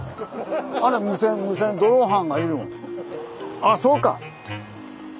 あそうか。